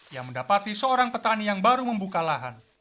yang mendapati seorang petani yang baru membuka lahan